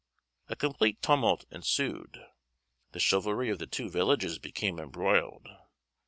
A complete tumult ensued. The chivalry of the two villages became embroiled.